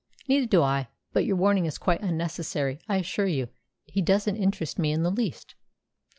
"Neither do I. But your warning is quite unnecessary, I assure you. He doesn't interest me in the least."